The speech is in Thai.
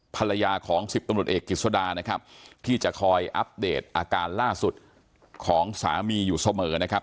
ภรรยาของสิบตำรวจเอกกิจสดานะครับที่จะคอยอัปเดตอาการล่าสุดของสามีอยู่เสมอนะครับ